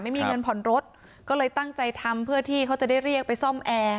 ไม่มีเงินผ่อนรถก็เลยตั้งใจทำเพื่อที่เขาจะได้เรียกไปซ่อมแอร์